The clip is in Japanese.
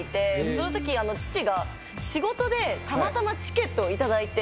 そのとき父が仕事でたまたまチケットを頂いて。